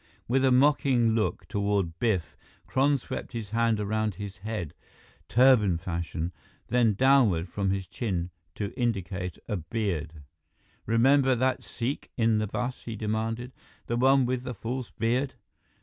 With a mocking look toward Biff, Kron swept his hand around his head, turban fashion, then downward from his chin to indicate a beard. "Remember that Sikh in the bus?" he demanded. "The one with the false beard?